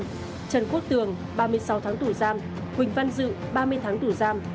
trần quốc tường ba mươi sáu tháng tù giam huỳnh văn dự ba mươi tháng tù giam